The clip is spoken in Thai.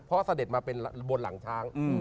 เพราะเสด็จมาเป็นบนหลังช้าง